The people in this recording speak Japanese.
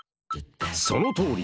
そのとおり！